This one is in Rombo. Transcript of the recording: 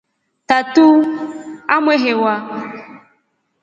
Tatu aa mwehewa.